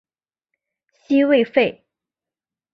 西魏废。